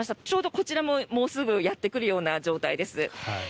ちょうどこちらももうすぐやってくるような状態です。